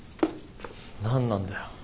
何なんだよ。